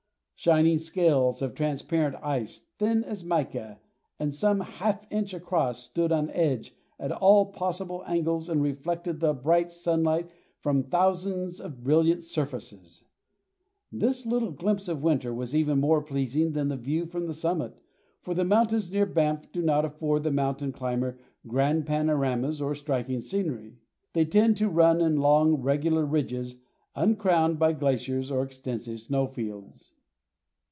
Shining scales of transparent ice, thin as mica and some half inch across, stood on edge at all possible angles and reflected the bright sunlight from thousands of brilliant surfaces. This little glimpse of winter was even more pleasing than the view from the summit, for the mountains near Banff do not afford the mountain climber grand panoramas or striking scenery. They tend to run in long regular ridges, uncrowned by glaciers or extensive snowfields.